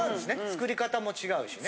作り方も違うしね。